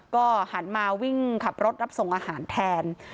ก็หันมาวิ่งขับรถรับส่งอาหารแทน